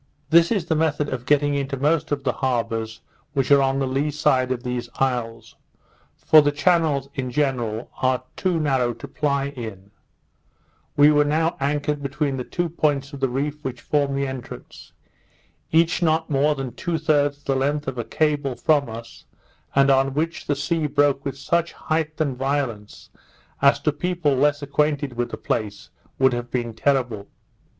This is the method of getting into most of the harbours which are on the lee side of these isles; for the channels, in general, are too narrow to ply in: We were now anchored between the two points of the reef which form the entrance; each not more than two thirds the length of a cable from us, and on which the sea broke with such height and violence, as to people less acquainted with the place, would have been terrible.